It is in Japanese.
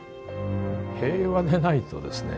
平和でないとですね